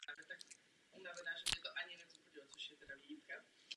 Na první den publikace se v obchodech stály velké fronty.